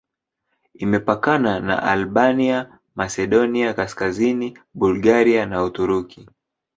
Imepakana na Albania, Masedonia Kaskazini, Bulgaria na Uturuki.